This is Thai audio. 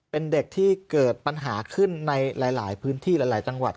เป็นเด็กที่เกิดปัญหาขึ้นในหลายพื้นที่หลายจังหวัด